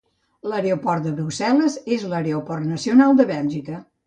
L'aeroport de Brussel·les és l'aeroport nacional de Bèlgica.